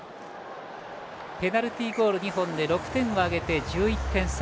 ペナルティーゴール２本で６点を挙げて１１点差。